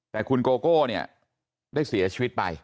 แต่คุณโกโก้เนี่ยได้เสียชีวิตไป